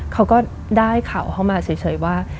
เขาก็ได้ข่าวเข้ามาเฉยว่า